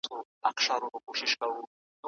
ډیپلوماسي د جګړې مخه نیسي.